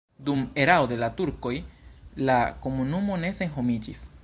Dum erao de la turkoj la komunumo ne senhomiĝis.